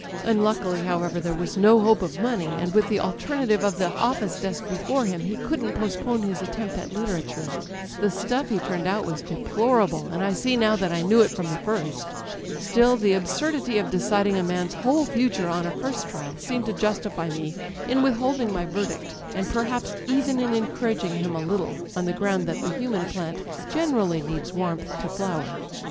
Unluckily, however, there was no hope of money, and with the alternative of the office desk before him he couldn't postpone his attempt at literature. The stuff he turned out was deplorable, and I see now that I knew it from the first. Still, the absurdity of deciding a man's whole future on a first trial seemed to justify me in withholding my verdict, and perhaps even in encouraging him a little, on the ground that the human plant generally needs warmth to flower.